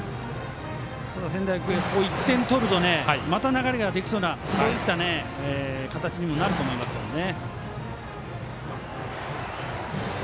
仙台育英、ここ１点取るとまた流れができそうなそういった形にもなると思いますからね。